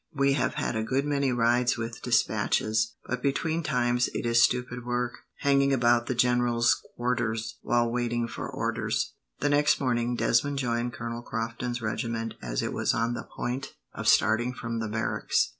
We have had a good many rides with despatches, but between times it is stupid work, hanging about the general's quarters waiting for orders." The next morning, Desmond joined Colonel Crofton's regiment as it was on the point of starting from the barracks.